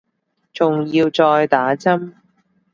仲要再打針